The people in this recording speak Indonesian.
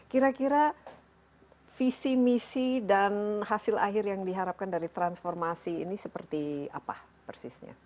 jadi bagaimana visi misi dan hasil akhir yang diharapkan dari transformasi ini seperti apa persisnya